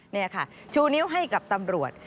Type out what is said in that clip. นี่ค่ะชูนิ้วให้กับตำรวจ